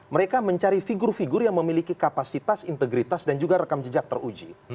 mereka mencari figur figur yang memiliki kapasitas integritas dan juga rekam jejak teruji